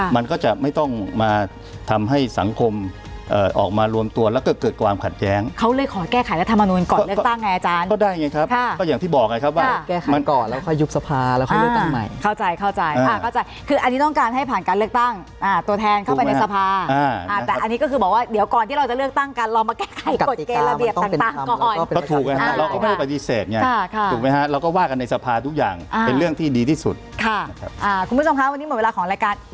ไม่ต้องมาทำให้สังคมเอ่อออกมารวมตัวแล้วก็เกิดความขัดแย้งเขาเลยขอแก้ไขรัฐมานูนก่อนเลือกตั้งไงอาจารย์ก็ได้ไงครับค่ะก็อย่างที่บอกไงครับว่าแก้ไขก่อนแล้วค่อยยุบสภาแล้วค่อยเลือกตั้งใหม่เข้าใจเข้าใจค่ะเข้าใจคืออันนี้ต้องการให้ผ่านการเลือกตั้งอ่าตัวแทนเข้าไปในสภาอ่าแต่อันนี้ก็ค